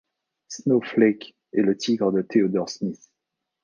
Snowflake est le tigre de Théodore Smith.